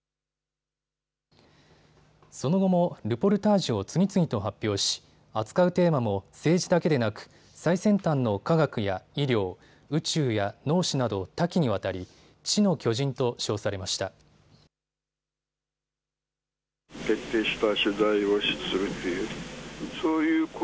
その後もルポルタージュを次々と発表し、扱うテーマも政治だけでなく最先端の科学や医療、宇宙や脳死など多岐にわたり知の巨人と称されました。